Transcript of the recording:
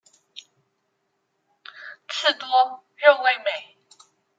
刺多肉味美。